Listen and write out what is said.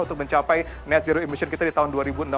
untuk mencapai net zero emission kita di tahun dua ribu enam belas